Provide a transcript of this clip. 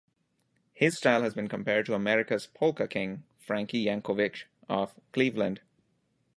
His style has been compared to America's Polka King, Frankie Yankovic of Cleveland.